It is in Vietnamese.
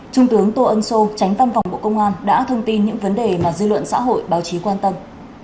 trung tướng tô ân sô tránh văn phòng bộ công an đã thông tin những vấn đề mà dư luận xã hội báo chí quan tâm